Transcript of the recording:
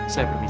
saya permisi ya